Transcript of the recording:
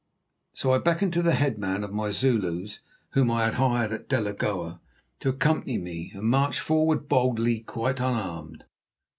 So I beckoned to the headman of my Zulus whom I had hired at Delagoa, to accompany me, and marched forward boldly quite unarmed.